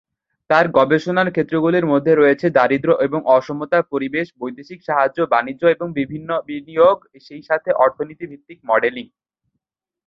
তার গবেষণার ক্ষেত্রগুলির মধ্যে রয়েছে দারিদ্র্য এবং অসমতা, পরিবেশ, বৈদেশিক সাহায্য, বাণিজ্য এবং বিনিয়োগ, সেইসাথে অর্থনীতি-ভিত্তিক মডেলিং।